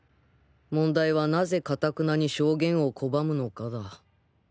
問題はなぜ頑なに証言を拒むのかだ